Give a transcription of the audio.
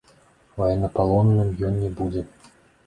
Ваеннапалонным ён не будзе.